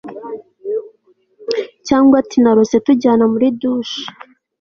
cyangwa ati narose tujyana muri douche